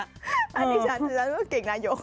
อันนี้ฉันเกรงนายก